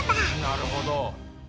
なるほど。